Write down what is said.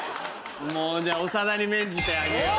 もうじゃあ長田に免じてあげよう。